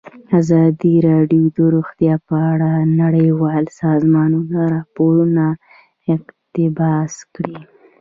ازادي راډیو د روغتیا په اړه د نړیوالو سازمانونو راپورونه اقتباس کړي.